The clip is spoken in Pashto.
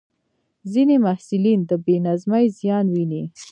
ځینې محصلین د بې نظمۍ زیان ویني.